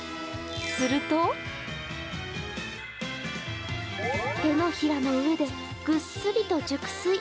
すると手のひらの上でぐっすりと熟睡。